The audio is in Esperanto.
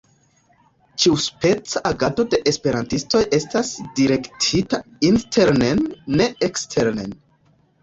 Ĉiuspeca agado de esperantistoj estas direktita internen, ne eksteren.